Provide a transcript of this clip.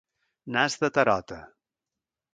Nas de tarota.